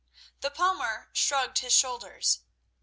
The palmer shrugged his shoulders.